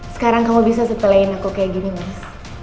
sekarang kamu bisa supplin aku kayak gini mas